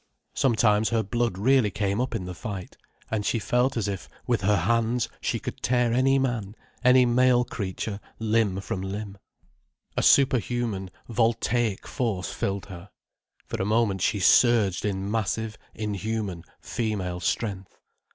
Sometimes her blood really came up in the fight, and she felt as if, with her hands, she could tear any man, any male creature, limb from limb. A super human, voltaic force filled her. For a moment she surged in massive, inhuman, female strength.